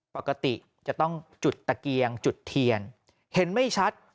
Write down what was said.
ปกติจะต้องจุดตะเกียงจุดเทียนเห็นไม่ชัด